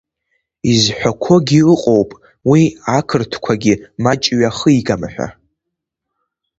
Изҳәақәогьы ыҟоуп уи ақырҭқәагьы маҷҩы ахигама ҳәа.